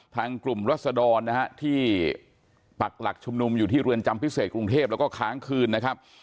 ทางกลุ่มรัศดรนะฮะที่ปักหลักชุมนุมอยู่ที่เรือนจำพิเศษกรุงเทพแล้วก็ค้างคืนนะครับ